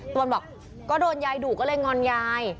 ตวนบอกก็โดนยายดุก็เลยงอนยาย